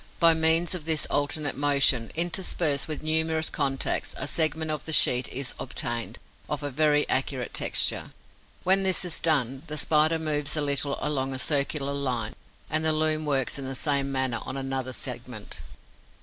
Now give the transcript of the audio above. By means of this alternate motion, interspersed with numerous contacts, a segment of the sheet is obtained, of a very accurate texture. When this is done, the Spider moves a little along a circular line and the loom works in the same manner on another segment.